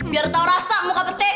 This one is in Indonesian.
biar tau rasa muka pete